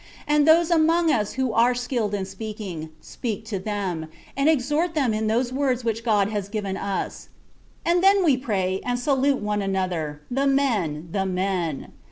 And those among us who are skilled in speaking, speak to them, and exhort them in those words which God has given us. And then we pray, and salute one another, the men the men.